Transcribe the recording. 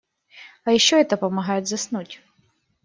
А ещё это помогает заснуть.